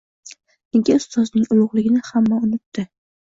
Nega, ustozning ulug‘ligini hamma unutdi.